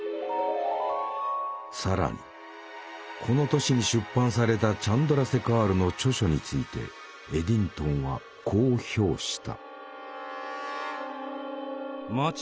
更にこの年に出版されたチャンドラセカールの著書についてエディントンはこう評した。